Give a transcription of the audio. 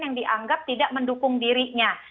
yang dianggap tidak mendukung dirinya